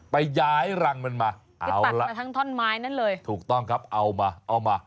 ไปย้ายรังมันมาเอาละถูกต้องครับเอามาเอามา